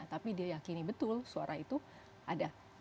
tapi diyakini betul suara itu ada